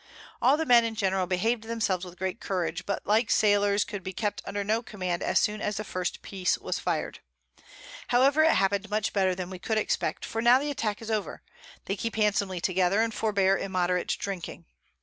All the Men in general behav'd themselves with great Courage, but like Sailors could be kept under no Command as soon as the first Piece was fired; however it happen'd much better than we could expect, for now the Attack is over, they keep handsomely together, and forbear immoderate Drinking.